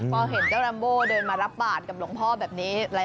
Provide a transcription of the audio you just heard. พอเห็นเจ้าลัมโบเดินมารับบาทกับหลวงพ่อแบบนี้